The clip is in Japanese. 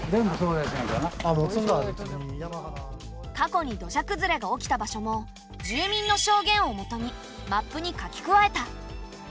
過去に土砂崩れが起きた場所も住民の証言をもとにマップに書き加えた。